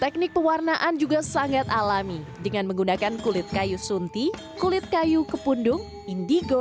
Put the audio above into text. teknik pewarnaan juga sangat alami dengan menggunakan kulit kayu sunti kulit kayu kepundung indigo